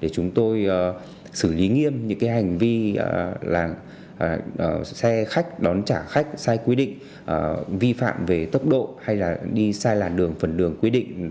để chúng tôi xử lý nghiêm những hành vi là xe khách đón trả khách sai quy định vi phạm về tốc độ hay là đi sai làn đường phần đường quy định